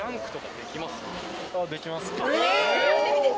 できます。